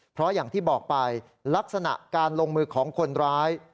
เพราะอย่างที่บอกไปลักษณะการลงมือของคนร้าย